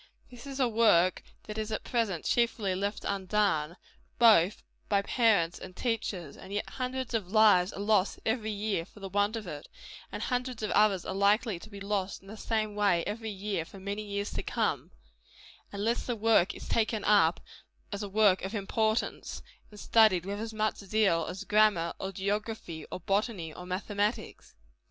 It is a work that is at present chiefly left undone, both by parents and teachers, and yet hundreds of lives are lost every year for the want of it; and hundreds of others are likely to be lost in the same way every year for many years to come, unless the work is taken up as a work of importance, and studied with as much zeal as grammar, or geography, or botany, or mathematics.